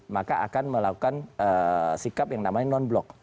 maka akan melakukan sikap yang namanya non blok